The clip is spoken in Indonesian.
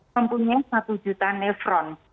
mempunyai satu juta nefron